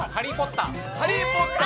ハリー・ポッター。